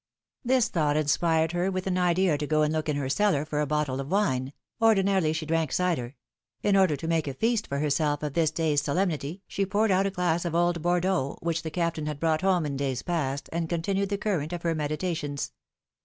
This thought inspired her with an idea to go and look in her cellar for a bottle of wine — ordinarily she drank cider; in order to make a feast for herself of this day's solemnity, she poured out a glass of old Bordeaux, which the Captain had brought home in days past, and continued the current of her meditations.